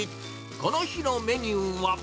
この日のメニューは。